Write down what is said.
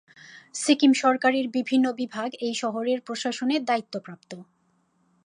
সিকিম সরকারের বিভিন্ন বিভাগ এই শহরের প্রশাসনের দায়িত্বপ্রাপ্ত।